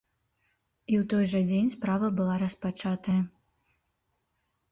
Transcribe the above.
І ў той жа дзень справа была распачатая.